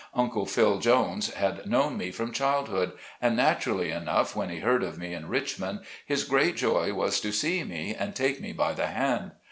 Uncle Phil. Jones had known me from childhood, and naturally enough when he heard of me in Richmond his great joy was to see me and take me by the hand.